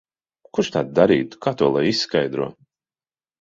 Kurš tā darītu? Kā to lai izskaidro?